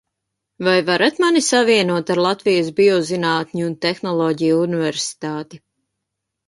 Vai varat mani savienot ar Latvijas Biozinātņu un tehnoloģiju universitāti?